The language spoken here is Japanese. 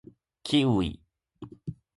キウイ